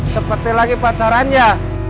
seperti lagi pacarannya